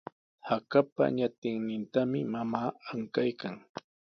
Hakapa ñatinnintami mamaa ankaykan.